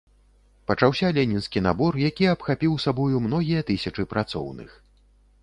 Пачаўся ленінскі набор, які абхапіў сабою многія тысячы працоўных.